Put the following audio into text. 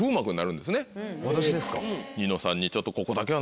私ですか。